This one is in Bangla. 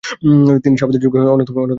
তিনি সাহাবীদের যুগে অন্যতম একজন ফকিহ্ ছিলেন।